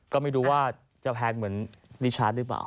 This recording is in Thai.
ก็ไม่รู้ว่าจะแพงเหมือนลิชาร์จหรือเปล่า